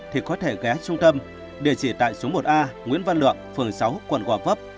thì có thể ghé trung tâm địa chỉ tại số một a nguyễn văn lượng phường sáu quận gò vấp